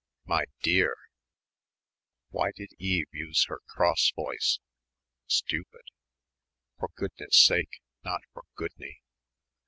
"My dear!" Why did Eve use her cross voice? stupid ... "for goodness' sake," not "for goodney."